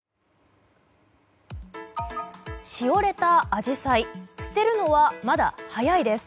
しおれたアジサイ捨てるのは、まだ早いです。